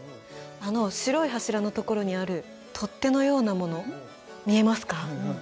あの白い柱のところにある取っ手のようなもの見えますか？